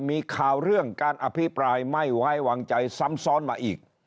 มีข่าวเรื่องการอภิปรายไม่ไว้วางใจซ้ำซ้อนมาอีก